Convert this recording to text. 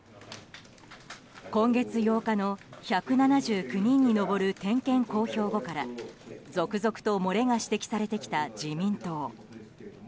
今月８日の１７９人に上る点検公表後から続々と漏れが指摘されてきた自民党。